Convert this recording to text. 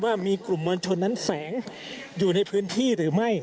ว่ามีกลุ่มมวลชนนั้นแสงอยู่ในพื้นที่หรือไม่